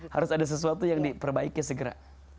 harus ada sesuatu yang diperbaiki segera